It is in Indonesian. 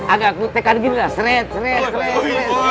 agak kutekan gitu lah sret sret sret